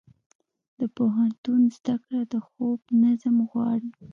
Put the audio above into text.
د پوهنتون زده کړه د خوب نظم غواړي.